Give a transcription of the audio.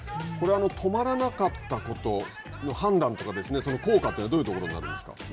これは止まらなかったことの判断というか効果ってどういうところにあるんですか。